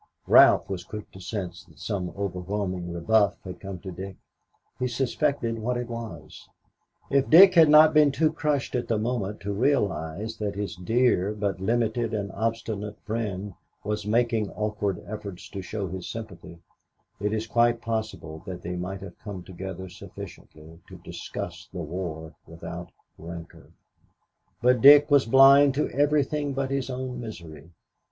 Ralph was quick to sense that some overwhelming rebuff had come to Dick. He suspected what it was. If Dick had not been too crushed at the moment to realize that his dear but limited and obstinate friend was making awkward efforts to show his sympathy, it is quite possible that they might have come together sufficiently to discuss the war without rancor. But Dick was blind to everything but his own misery.